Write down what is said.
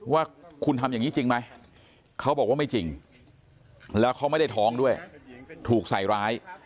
ว่าคุณทำอย่างนี้จริงไหมเขาบอกว่าไม่จริงแล้วเขาไม่ได้ท้องด้วยถูกใส่ร้าย